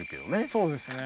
そうですね